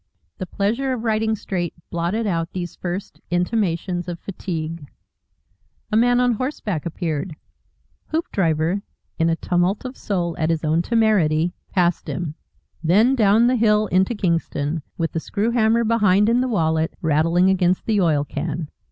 The pleasure of riding straight blotted out these first intimations of fatigue. A man on horseback appeared; Hoopdriver, in a tumult of soul at his own temerity, passed him. Then down the hill into Kingston, with the screw hammer, behind in the wallet, rattling against the oil can.